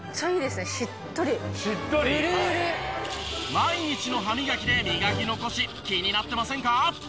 毎日の歯磨きで磨き残し気になってませんか？